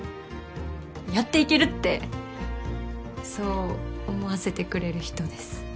やっていけるってそう思わせてくれる人です。